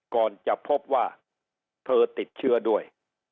ก่อนจะพบว่าเธอติดเชื้อด้วย